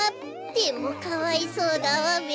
でもかわいそうだわべ。